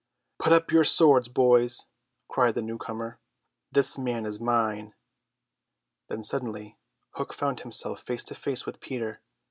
"Put up your swords, boys," cried the newcomer, "this man is mine." Thus suddenly Hook found himself face to face with Peter.